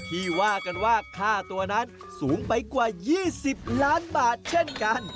ที่ว่ากันว่าค่าตัวนั้นสูงไปกว่า๒๐ล้านบาทเช่นกัน